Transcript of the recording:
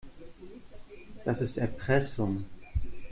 Das ist Erpressung.